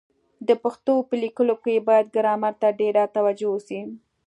د پښتو په لیکلو کي بايد ګرامر ته ډېره توجه وسي.